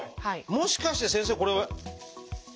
もしかして先生これ。